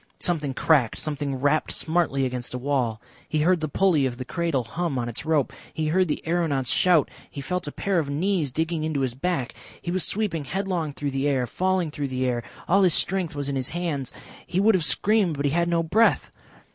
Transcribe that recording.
Something cracked, something rapped smartly against a wall. He heard the pulley of the cradle hum on its rope. He heard the aeronauts shout. He felt a pair of knees digging into his back.... He was sweeping headlong through the air, falling through the air. All his strength was in his hands. He would have screamed but he had no breath.